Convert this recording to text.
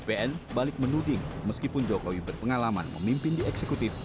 bpn balik menuding meskipun jokowi berpengalaman memimpin di eksekutif